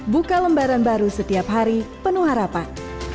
buka lembaran baru setiap hari penuh harapan